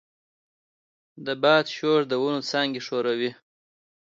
د باد شور د ونو څانګې ښوروي.